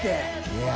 いや。